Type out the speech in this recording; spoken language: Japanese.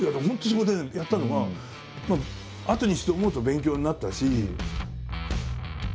本当そこでやったのがあとにして思うと勉強になったし。